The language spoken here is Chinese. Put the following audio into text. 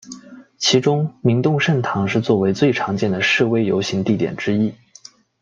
其中明洞圣堂是作为最常见的示威游行地点之一。